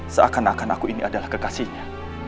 seakan akan aku ini adalah kekasihnya